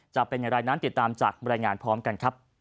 จะเป็นอย่างไรนั้นติดตามจากบรรยายงานพร้อมกันครับ